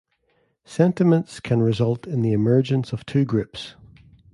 Sentiments can result in the emergence of two groups.